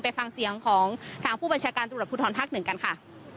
ไปฟังเสียงของทางผู้บัญชาการตำรวจภูทรภาคหนึ่งกันค่ะ